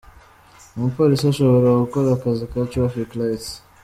Umupolisi ashobora gukora akazi ka ‘traffic lights’.